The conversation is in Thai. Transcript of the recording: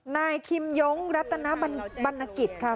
นายคิมยงรัตนบรรณกิจค่ะ